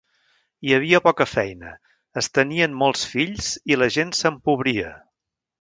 Hi havia poca feina, es tenien molts fills i la gent s'empobria.